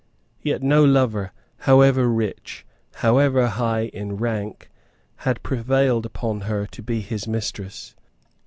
Yet no lover, however rich, however high in rank, had prevailed on her to be his mistress.